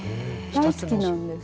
大好きなんです。